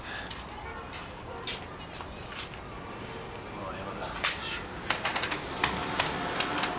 ああ「山田」。